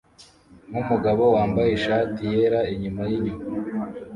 nkumugabo wambaye ishati yera inyuma yinyuma